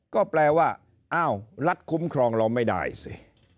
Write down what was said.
ก็แปลว่าอ้าวรัฐคุ้มครองเราไม่ได้สิ